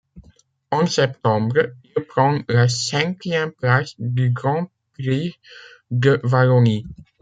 En septembre, il prend la cinquième place du Grand Prix de Wallonie.